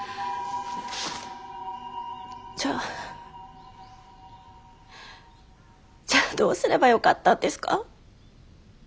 じゃあじゃあどうすればよかったんですか？